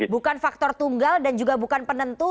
bukan faktor tunggal dan juga bukan penentu